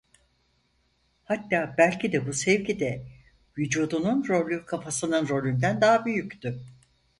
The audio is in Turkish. Hatta belki de bu sevgide vücudunun rolü kafasının rolünden daha büyüktü.